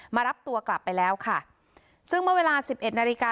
มารับตัวกลับไปแล้วค่ะซึ่งเมื่อเวลาสิบเอ็ดนาฬิกา